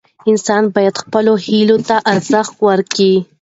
انسان باید خپلو هیلو ته ارزښت ورکړي.